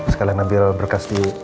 sekalian ambil berkas di